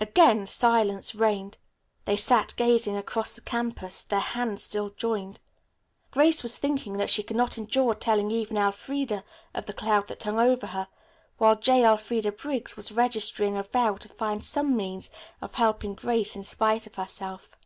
Again silence reigned. They sat gazing across the campus, their hands still joined. Grace was thinking that she could not endure telling even Elfreda of the cloud that hung over her, while J. Elfreda Briggs was registering a vow to find some means of helping Grace in spite of herself.